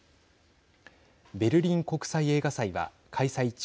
ベルリン国際映画祭は開催中